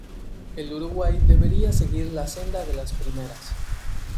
El Uruguay debería seguir la senda de las primeras.